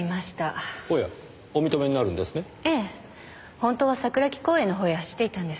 本当は桜木公園の方へ走っていたんです。